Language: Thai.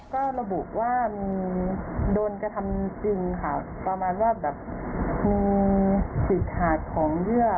ก็ระบุว่ามีโดนกระทำจริงค่ะประมาณว่าแบบมีฉีกขาดของเยื่อ